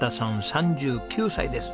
３９歳です。